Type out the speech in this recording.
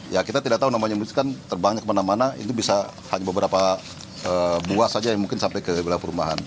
ya kita tidak tahu namanya kan terbangnya kemana mana itu bisa hanya beberapa buah saja yang mungkin sampai ke wilayah perumahan